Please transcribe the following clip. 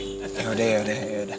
yaudah yaudah yaudah